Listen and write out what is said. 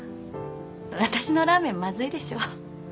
私のラーメンまずいでしょ？